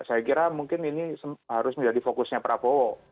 saya kira mungkin ini harus menjadi fokusnya prabowo